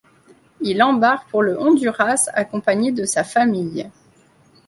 Il embarque pour le Honduras accompagné de sa famille.